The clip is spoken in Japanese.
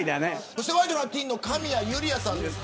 そして、ワイドナティーンの神谷侑理愛さんです。